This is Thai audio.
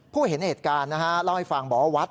เห็นเหตุการณ์นะฮะเล่าให้ฟังบอกว่าวัด